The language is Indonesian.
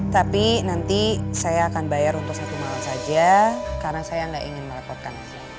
tapi nanti saya akan bayar untuk satu malam saja karena saya nggak ingin merepotkan